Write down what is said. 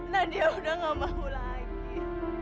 nadia sudah enggak mau lagi